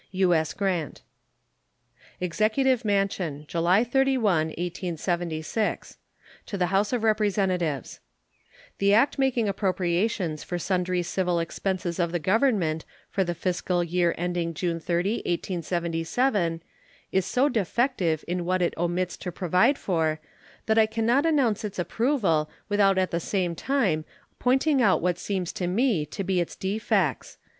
U.S. GRANT. EXECUTIVE MANSION, July 31, 1876. To the House of Representatives: The act making appropriations for sundry civil expenses of the Government for the fiscal year ending June 30, 1877, is so defective in what it omits to provide for that I can not announce its approval without at the same time pointing out what seems to me to be its defects.